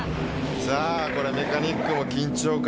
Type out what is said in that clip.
さぁこれメカニックも緊張感。